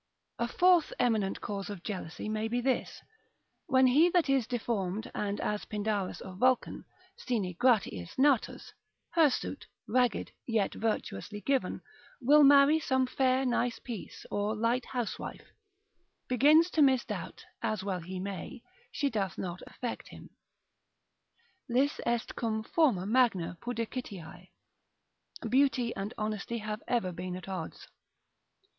A fourth eminent cause of jealousy may be this, when he that is deformed, and as Pindarus of Vulcan, sine gratiis natus, hirsute, ragged, yet virtuously given, will marry some fair nice piece, or light housewife, begins to misdoubt (as well he may) she doth not affect him. Lis est cum forma magna pudicitiae, beauty and honesty have ever been at odds.